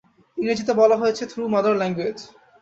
ইংরেজিতে বলা হয়েছে থ্রু মাদার ল্যাঙ্গুয়েজ।